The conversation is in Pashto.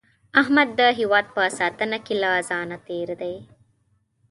احمد د هیواد په ساتنه کې له ځانه تېر دی.